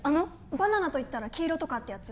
バナナといったら黄色とかってやつ？